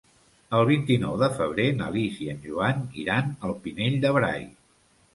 El vint-i-nou de febrer na Lis i en Joan iran al Pinell de Brai.